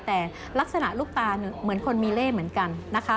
แต่ลักษณะลูกตาเหมือนคนมีเล่เหมือนกันนะคะ